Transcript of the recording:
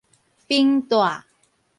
繃帶